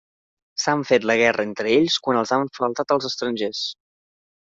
S'han fet la guerra entre ells quan els han faltat els estrangers.